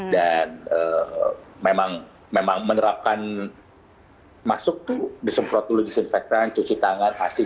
dan memang menerapkan masuk tuh disemprot dulu disinfektan cuci tangan asik